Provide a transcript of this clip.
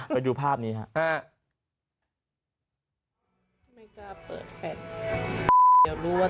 ไปดูภาพนี้ครับ